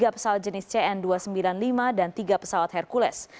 tiga pesawat jenis cn dua ratus sembilan puluh lima dan tiga pesawat hercules